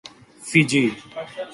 Fiji